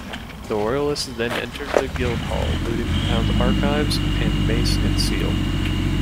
The Royalists then entered the Guildhall looting the town's archives, and mace and seal.